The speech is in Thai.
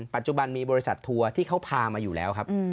ปัจจุบันมีบริษัททัวร์ที่เขาพามาอยู่แล้วครับ